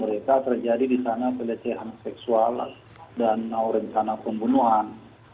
di situ mereka terjadi pelecehan seksual dan rencana pembunuhan